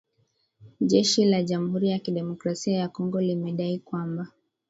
Jeshi la Jamhuri ya kidemokrasia ya Kongo limedai kwamba